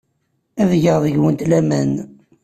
Ad geɣ deg-went laman.